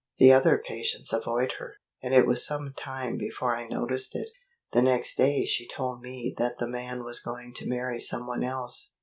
The other patients avoid her, and it was some time before I noticed it. The next day she told me that the man was going to marry some one else.